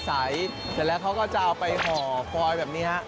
เสร็จแล้วเขาก็จะเอาไปห่อฟอยแบบนี้ฮะ